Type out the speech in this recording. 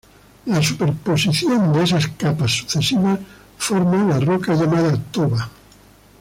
La superposición de esas capas sucesivas forma la roca llamada toba.